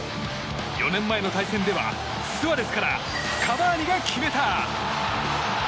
４年前の対戦ではスアレスからカバーニが決めた。